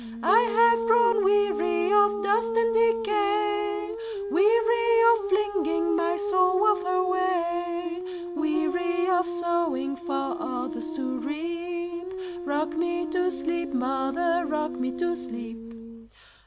I have grown weary of dust and decay,—Weary of flinging my soul wealth away; Weary of sowing for others to reap;—Rock me to sleep, mother,—rock me to sleep!